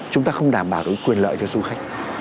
chúng ta không đảm bảo được quyền lợi cho du khách